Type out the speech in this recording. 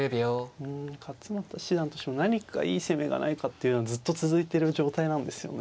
うん勝又七段としても何かいい攻めがないかっていうのはずっと続いている状態なんですよね。